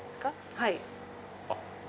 はい。